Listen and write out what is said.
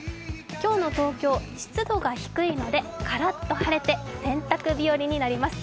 今日の東京、湿度が低いのでカラッと晴れて洗濯日和になります。